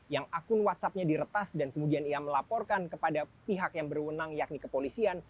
yang akun whatsappnya diretas dan kemudian ia melaporkan kepada pihak yang berwenang yakni kepolisian